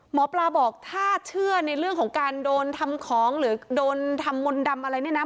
หมอปลาบอกถ้าเชื่อในเรื่องของการโดนทำของหรือโดนทำมนต์ดำอะไรเนี่ยนะ